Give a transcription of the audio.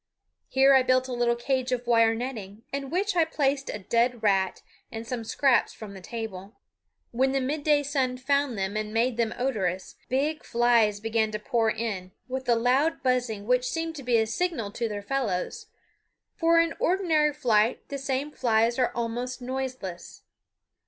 Here I built a little cage of wire netting, in which I placed a dead rat and some scraps from the table. When the midday sun found them and made them odorous, big flies began to pour in, with the loud buzzing which seems to be a signal to their fellows; for in ordinary flight the same flies are almost noiseless.